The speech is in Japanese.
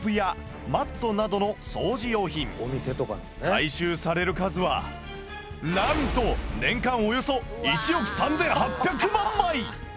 回収される数はなんと年間およそ１億３８００万枚！